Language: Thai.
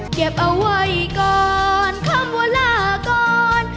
เก็บเอาไว้ก่อนคำว่าลาก่อน